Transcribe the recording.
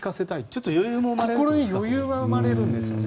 ちょっと余裕も生まれるんですね。